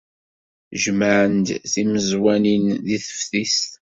Jemɛen-d timeẓwanin deg teftist.